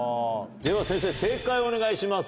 では先生正解をお願いします。